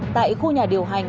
tại khu nhà điều hành